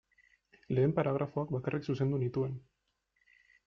Lehen paragrafoak bakarrik zuzendu nituen.